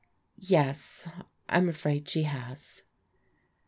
"Tes, I'm afraid she has."